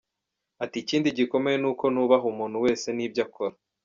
Ati “Ikindi gikomeye ni uko nubaha umuntu wese n’ibyo akora.